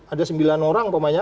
ada sembilan orang